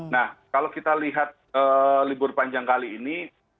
nah kalau kita lihat libur panjang kali ini